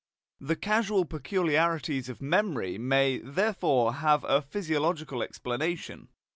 The causal peculiarities of memory may, therefore, have a physiological explanation.